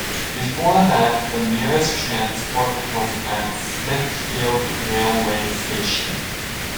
Before that the nearest transport was at Smithfield Railway Station.